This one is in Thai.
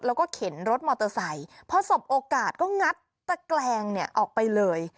แล้วก็เข็นรถมอเตอร์ไซค์พอสบโอกาสก็งัดตะแกรงเนี่ยออกไปเลย